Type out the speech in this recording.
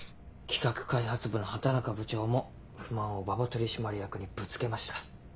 企画開発部の畑中部長も不満を馬場取締役にぶつけました。